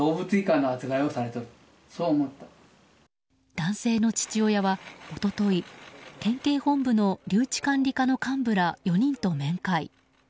男性の父親は一昨日、県警本部の留置管理課の幹部ら４人と面会。